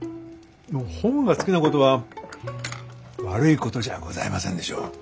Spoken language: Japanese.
本が好きなことは悪いことじゃございませんでしょう？